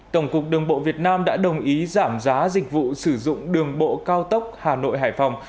tổng cục đường bộ việt nam đã đồng ý giảm giá dịch vụ sử dụng đường bộ cao tốc hà nội hải phòng